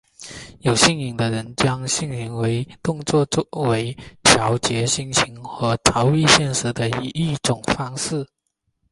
有性瘾的人将性行动作为调节心情和逃避现实的一种方式。